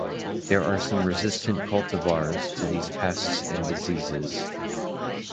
There are some resistant cultivars to these pests and diseases.